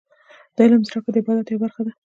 د علم زده کړه د عبادت یوه برخه ده.